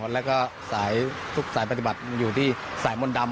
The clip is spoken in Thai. แล้วก็สายทุกสายปฏิบัติมันอยู่ที่สายมนต์ดำ